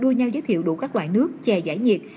đua nhau giới thiệu đủ các loại nước chè giải nhiệt